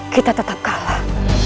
kita tetap kalah